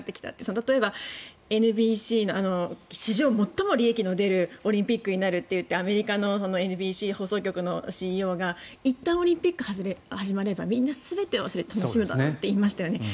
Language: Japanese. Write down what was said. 例えばＮＢＣの史上最も利益の出るオリンピックになるといってアメリカのＮＢＣ放送局のＣＥＯがいったんオリンピック始まればみんな全て忘れて楽しむだろうと言いましたよね。